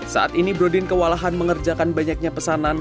saat ini brodin kewalahan mengerjakan banyaknya pesanan